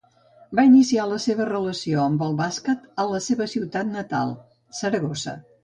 Va iniciar la seva relació amb el bàsquet en la seva ciutat natal, Saragossa.